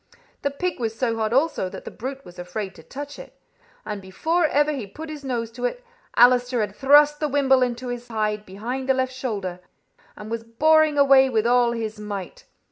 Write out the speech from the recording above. The pig was so hot also that the brute was afraid to touch it, and before ever he put his nose to it Allister had thrust the wimble into his hide, behind the left shoulder, and was boring away with all his might.